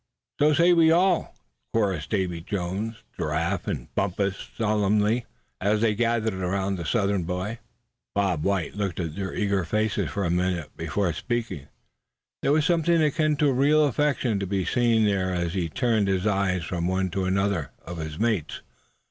"So say we all," chorused Davy Jones, Giraffe and Bumpus, solemnly, as they gathered around the Southern boy. Bob White looked at their eager faces for a minute before speaking. There was something akin to real affection to be seen there as he turned his eyes from one to another of his mates.